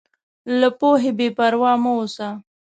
له پوهې بېپروا مه اوسه.